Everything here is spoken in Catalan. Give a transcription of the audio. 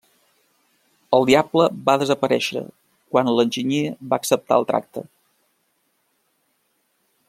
El diable va desaparèixer quan l'enginyer va acceptar el tracte.